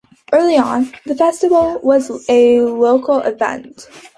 Early on, the festival was a local event.